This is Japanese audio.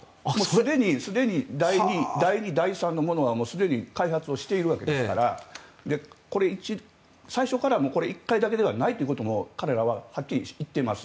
すでに第２、第３のものはすでに開発をしているわけですから最初からこれ１回だけではないということも彼らははっきり言っています。